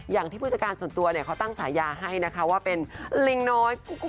ผู้จัดการส่วนตัวเนี่ยเขาตั้งฉายาให้นะคะว่าเป็นลิงน้อย